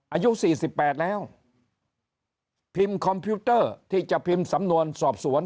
อายุสี่สิบแปดแล้วพิมพ์คอมพิวเตอร์ที่จะพิมพ์สำนวนสอบสวน